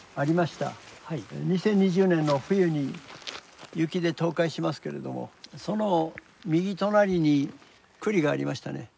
２０２０年の冬に雪で倒壊しますけれどもその右隣に庫裏がありましたね。